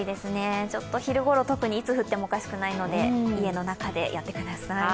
昼ごろ、特にいつ降ってもおかしくないので、家の中でやってください。